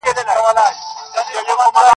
زلفې دې په غرونو کي راونغاړه_